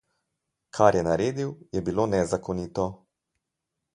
Kar je naredil, je bilo nezakonito.